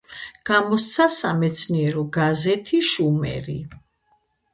გამოსცა სამეცნიერო გაზეთი „შუმერი“.